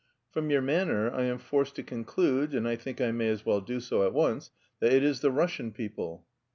"From your manner I am forced to conclude, and I think I may as well do so at once, that it is the Russian people."